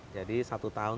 jadi satu tahun